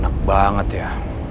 enak banget ya